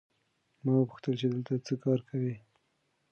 ما وپوښتل چې دلته څه کار کوې؟